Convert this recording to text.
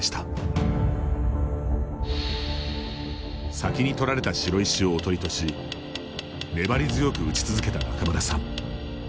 先に取られた白石をおとりとし粘り強く打ち続けた仲邑さん。